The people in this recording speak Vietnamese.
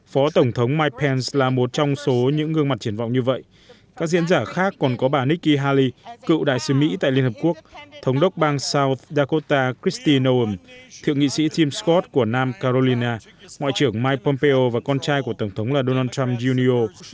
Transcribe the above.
phó tổng thống mike pence là một trong số những gương mặt triển vọng như vậy các diễn giả khác còn có bà nikki haley cựu đại sứ mỹ tại liên hợp quốc thống đốc bang south dakota kristi noum thượng nghị sĩ tim scott của nam carolina ngoại trưởng mike pompeo và con trai của tổng thống là donald trump junio